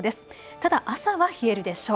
ただ朝は冷えるでしょう。